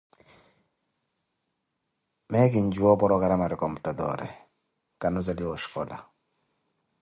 Miyo kinjuwa oporokaramari computatoore, kanozeliwa oshikola.